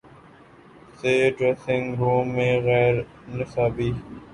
سے dressing room میں غیر نصابی